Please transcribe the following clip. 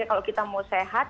kalau kita mau sehat